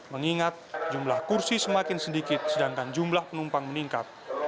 mengingat jumlah kursi semakin sedikit sedangkan jumlah penumpang meningkat